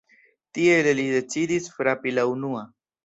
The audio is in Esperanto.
Tiele li decidis frapi la unua.